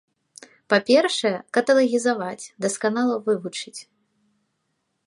Па-першае, каталагізаваць, дасканала вывучыць.